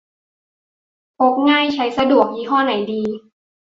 พกง่ายใช้สะดวก ยี่ห้อไหนดี